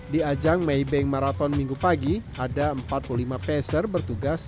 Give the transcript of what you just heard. di ajang maybank marathon minggu pagi ada empat puluh lima peser bertugas